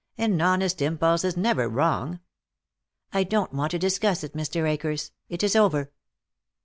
"An honest impulse is never wrong." "I don't want to discuss it, Mr. Akers. It is over."